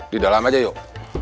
di dalam aja yuk